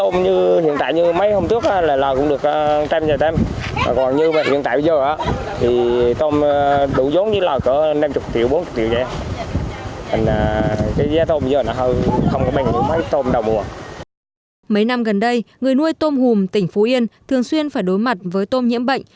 mấy năm gần đây người nuôi tôm hùm tỉnh phú yên thường xuyên phải đối mặt với tôm nhiễm bệnh